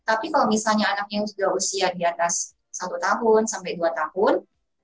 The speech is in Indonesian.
tapi kalau misalnya anaknya yang sudah usia di atas satu tahun sampai dua tahun